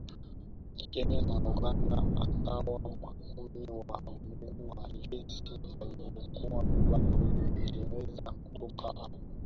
Kenya na Uganda akawa makamu wa mkuu wa Jeshi aliyekuwa bado Mwingereza Kutoka hapa